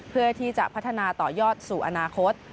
เพื่อที่จะพัฒนาต่อยอดสู่อนาคต